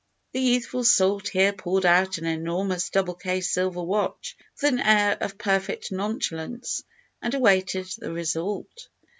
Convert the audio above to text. The youthful salt here pulled out an enormous double case silver watch with an air of perfect nonchalance, and awaited the result.